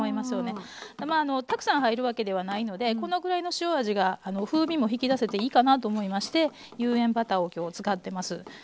たくさん入るわけではないのでこのぐらいの塩味が風味も引き出せていいかなと思いまして有塩バターを今日使ってます。